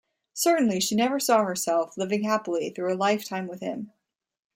Certainly she never saw herself living happily through a lifetime with him.